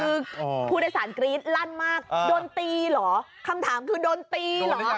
คือผู้โดยสารกรี๊ดลั่นมากโดนตีเหรอคำถามคือโดนตีเหรอ